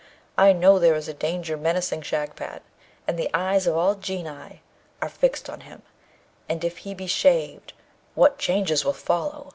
I know there is a danger menacing Shagpat, and the eyes of all Genii are fixed on him. And if he be shaved, what changes will follow!